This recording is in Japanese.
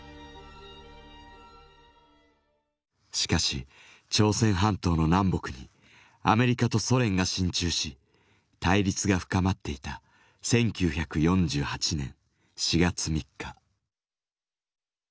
しかし朝鮮半島の南北にアメリカとソ連が進駐し対立が深まっていた１９４８年４月３日。